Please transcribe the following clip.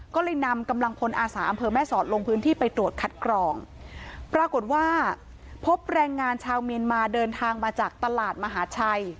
ก็เลยนำกำลังพลอาสาอำเภอแม่สอดลงพื้นที่ไปตรวจคัดกรองปรากฏว่าพบแรงงานชาวเมียนมาเดินทางมาจากตลาดมหาชัย